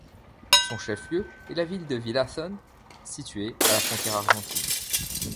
Son chef-lieu est la ville de Villazón, située à la frontière argentine.